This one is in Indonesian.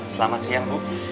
selamat siang bu